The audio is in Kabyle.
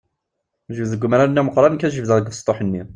Jbed deg umrar-nni ameqqran, nekk ad jebdeɣ deg ubesṭuḥ-nni.